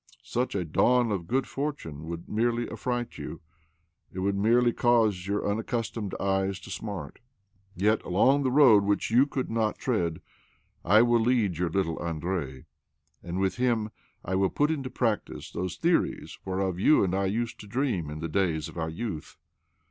Such a dawn of good fortune would merely affright you ; it would merely cause your tmaccustomed eyes to smart. Yet along the road which you could not tread I will lead your little Aлdrei ; and with him I will put into practice those theories whereof you and I used to dream in the days of our youth.